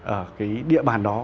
ở cái địa bàn đó